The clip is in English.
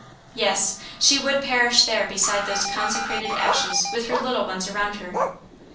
Yes! she would perish there beside those consecrated ashes with her little ones around her.